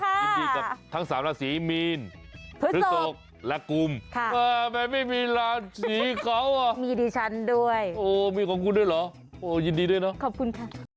หมอก่ายต้องขอแสดงความยินดีกับทั้งสามราศีมีนผู้โชคและกุมแม้ไม่มีราศีเขาอ่ะมีดิฉันด้วยมีของคุณด้วยหรอยินดีด้วยนะขอบคุณค่ะ